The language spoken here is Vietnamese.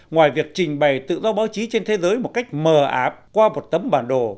ngoài việc trình bày tự do báo chí trên thế giới một cách mờ á qua một tấm bản đồ